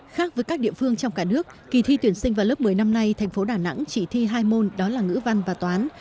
khác với các địa phương trong cả nước kỳ thi tuyển sinh vào lớp một mươi năm nay thành phố đà nẵng chỉ thi hai môn đó là ngữ văn và toán